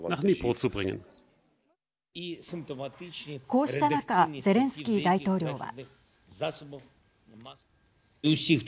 こうした中ゼレンスキー大統領は。